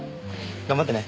頑張ってね。